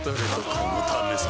このためさ